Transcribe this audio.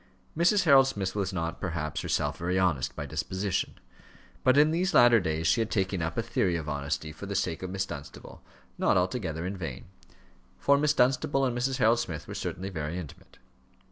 Mrs. Harold Smith was not, perhaps, herself very honest by disposition; but in these latter days she had taken up a theory of honesty for the sake of Miss Dunstable not altogether in vain, for Miss Dunstable and Mrs. Harold Smith were certainly very intimate.